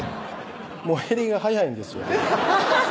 もう減りが早いんですよ